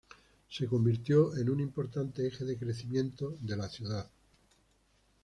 Se convirtió en un importante eje de crecimiento de la ciudad.